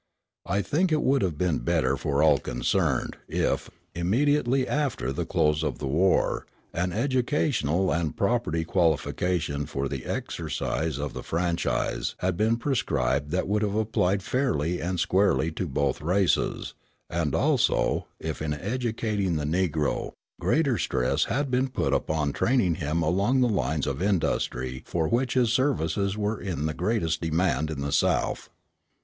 I think it would have been better for all concerned if, immediately after the close of the war, an educational and property qualification for the exercise of the franchise had been prescribed that would have applied fairly and squarely to both races, and, also, if, in educating the Negro, greater stress had been put upon training him along the lines of industry for which his services were in the greatest demand in the South.